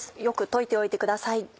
よく溶いておいてください。